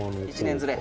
１年ずれ」